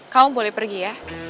kamu boleh pergi ya